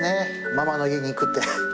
ママの家に行くって。